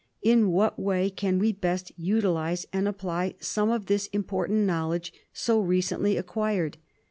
In what way can we best utilise and apply some of this important knowledge so recently acquired